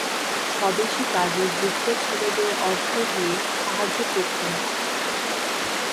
স্বদেশী কাজে যুক্ত ছেলেদের অর্থ দিয়ে সাহায্য করতেন।